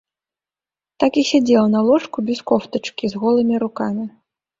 Так і сядзела на ложку без кофтачкі, з голымі рукамі.